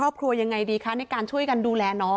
และคนในครอบครัวยังไงดีในการช่วยการดูแลน้อง